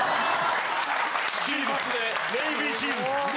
ネイビーシールズ。